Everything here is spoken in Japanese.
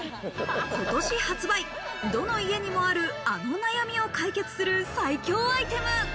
今年発売、どの家にもある、あの悩みを解決する最強アイテム。